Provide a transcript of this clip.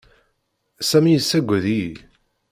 Sami yessaggad-iyi.